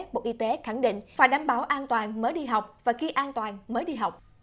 bộ y tế khẳng định phải đảm bảo an toàn mới đi học và khi an toàn mới đi học